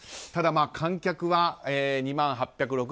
ただ観客は２万８６８人。